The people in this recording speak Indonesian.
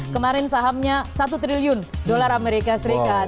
kemarin sahamnya satu triliun dolar amerika serikat